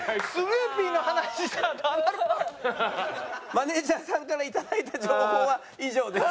マネージャーさんから頂いた情報は以上です。